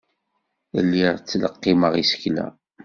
Lliɣ ttleqqimeɣ isekla.